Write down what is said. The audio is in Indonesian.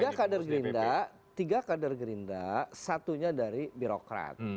tiga kader gerinda tiga kader gerinda satunya dari birokrat